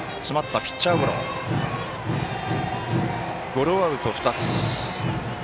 ゴロアウト、２つ。